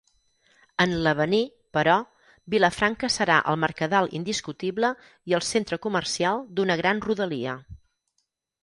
En l'avenir, però, Vilafranca serà el mercadal indiscutible i el centre comercial d'una gran rodalia.